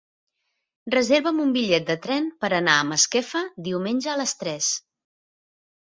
Reserva'm un bitllet de tren per anar a Masquefa diumenge a les tres.